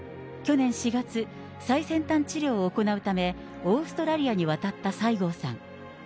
去年４月、最先端治療を行うため、オーストラリアに渡った西郷さん。